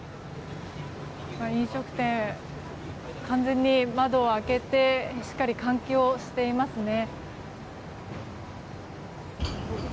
飲食店は完全に窓を開けてしっかり換気をしていますね。